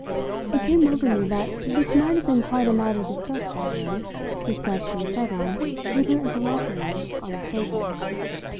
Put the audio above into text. It came over me that this might have been quite a matter discussed by her, discussed and settled, with her interlocutor on the sofa.